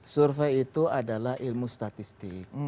survei itu adalah ilmu statistik